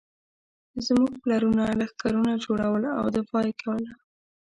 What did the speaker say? زموږ پلرونو لښکرونه جوړول او دفاع یې کوله.